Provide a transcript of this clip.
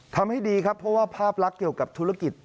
ทำให้ดีครับเพราะว่าภาพลักษณ์เกี่ยวกับธุรกิจ